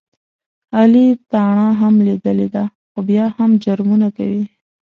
علي تاڼه هم لیدلې ده، خو بیا هم جرمونه کوي.